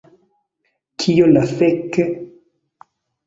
Kio la fek...?